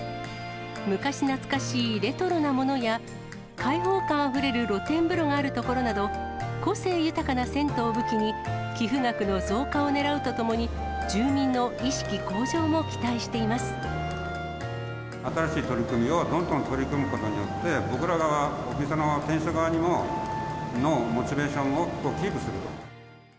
昔懐かしいレトロなものや、開放感あふれる露天風呂があるところなど、個性豊かな銭湯を武器に寄付額の増加をねらうとともに、住民の意新しい取り組みをどんどん取り組むことによって、僕ら側、お店側の店主側のモチベーションをキープする。